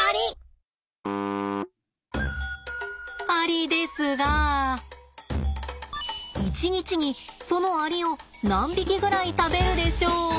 アリですが１日にそのアリを何匹ぐらい食べるでしょうか？